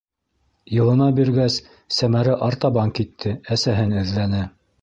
Йылына биргәс, Сәмәрә артабан китте, әсәһен эҙләне.